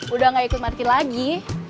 udah gak ikut marki lagi